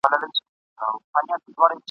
د دې غم لړلي صحنې ننداره کوله !.